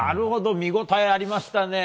見応えがありましたね。